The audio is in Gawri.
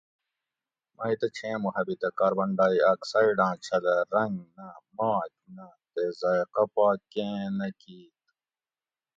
مئ تہ چھیں محبتہ کاربن ڈائ آکسائڈاں چھلہ رۤنگ نہ ماک نہ تے ذائقہ پا کیں نہ کیت